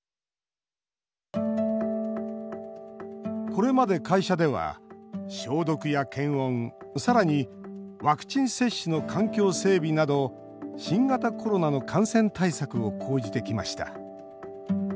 これまで会社では消毒や検温、さらにワクチン接種の環境整備など新型コロナの感染対策を講じてきました。